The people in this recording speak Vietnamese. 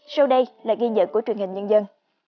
sau đây là ghi nhận của truyền hình nhân dân